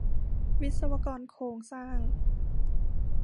วิศวกรโครงสร้าง